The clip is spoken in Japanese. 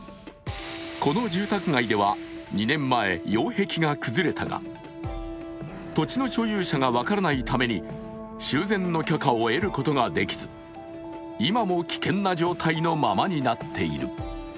この住宅街では、２年前擁壁が崩れたが土地の所有者が分からないため修繕の許可を得ることができず今も危険な状態のままになっている。